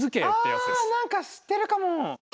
あ何か知ってるかも。